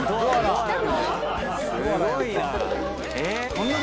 すごいな。